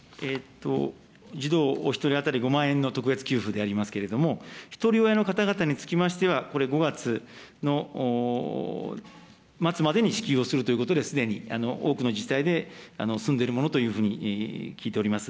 児童お１人当たり５万円の特別給付でありますけれども、ひとり親の方々につきましては、これ、５月の末までに支給をするということで、すでに多くの自治体で進んでいるものというふうに聞いております。